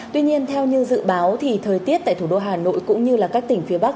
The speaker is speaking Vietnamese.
tuy nhiên theo như dự báo thì thời tiết tại thủ đô hà nội cũng như các tỉnh phía bắc